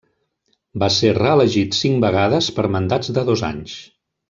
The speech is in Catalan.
Va ser reelegit cinc vegades per mandats de dos anys.